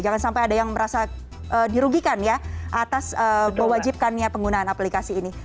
jangan sampai ada yang merasa dirugikan ya atas mewajibkannya penggunaan aplikasi ini